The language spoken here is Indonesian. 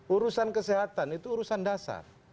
urusan kesehatan itu urusan dasar